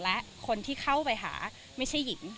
และคนที่เข้าไปหาไม่ใช่หญิง